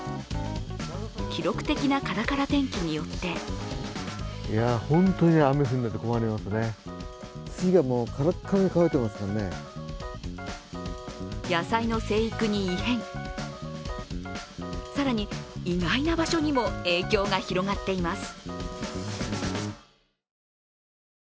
記録的なカラカラ天気によって野菜の生育に異変、更に意外な場所にも影響が広がっています。